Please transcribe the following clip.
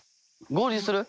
合流する？